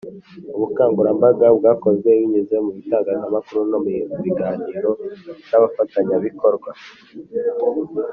Ubukangurambaga bwakozwe binyuze mu bitangazamakuru no mu biganiro n abafatanyabikorwa